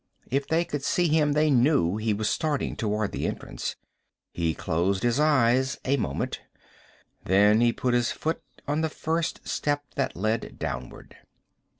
If they could see him they knew he was starting toward the entrance. He closed his eyes a moment. Then he put his foot on the first step that led downward.